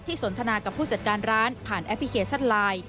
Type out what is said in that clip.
สนทนากับผู้จัดการร้านผ่านแอปพลิเคชันไลน์